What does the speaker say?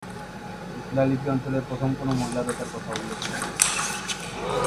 এই শিলালিপি অঞ্চলে প্রথম কোনও মহিলা দাতার কথা উল্লেখ করেছে।